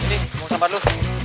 sini mau sampah dulu